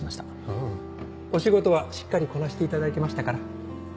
ううんお仕事はしっかりこなしていただいてましたから。